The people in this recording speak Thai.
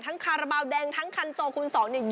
ทั้งคาราบาวแดงทั้งคันโซคุณสองเนี่ย